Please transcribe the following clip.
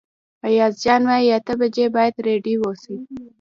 ایاز جان وايي اته بجې باید رېډي اوسئ.